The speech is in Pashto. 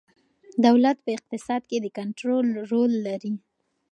دولت په اقتصاد کې د کنترول رول لري.